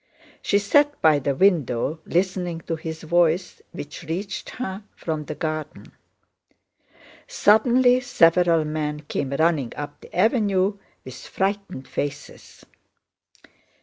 She sat by the window listening to his voice which reached her from the garden. Suddenly several men came running up the avenue with frightened faces.